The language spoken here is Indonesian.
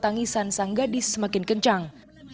tangisan sang gadis semakin kencang